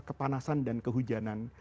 kepanasan dan kehujanan